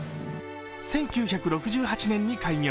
１９６８年に開業。